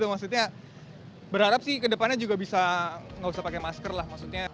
maksudnya berharap sih ke depannya juga bisa nggak usah pakai masker lah